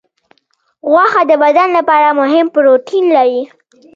غوښه د بدن لپاره مهم پروټین لري.